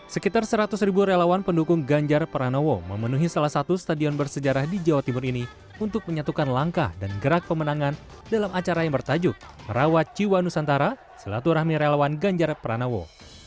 sekitar seratus ribu relawan pendukung ganjar pranowo memenuhi salah satu stadion bersejarah di jawa timur ini untuk menyatukan langkah dan gerak pemenangan dalam acara yang bertajuk merawat jiwa nusantara silaturahmi relawan ganjar pranowo